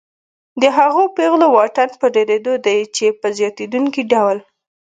د هغو پیغلو واټن په ډېرېدو دی چې په زیاتېدونکي ډول